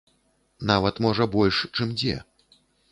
Нават, можа, больш, чым дзе.